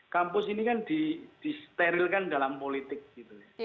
kampus ini kan disterilkan dalam politik gitu ya